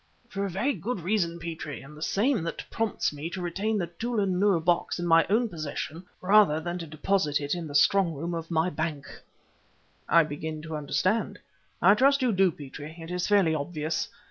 "For a very good reason, Petrie, and the same that prompts me to retain the Tûlun Nûr box in my own possession rather than to deposit it in the strong room of my bank." "I begin to understand." "I trust you do, Petrie; it is fairly obvious.